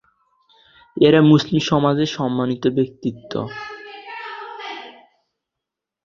এরা মুসলিম সমাজে সম্মানীয় ব্যক্তিত্ব।